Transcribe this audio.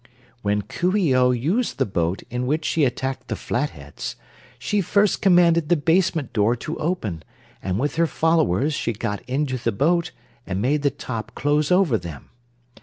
"When Coo ee oh used the boat in which she attacked the Flatheads, she first commanded the basement door to open and with her followers she got into the boat and made the top close over them.